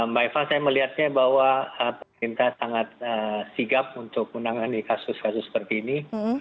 mbak eva saya melihatnya bahwa pemerintah sangat sigap untuk menangani kasus kasus seperti ini